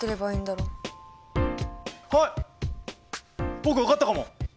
僕分かったかも。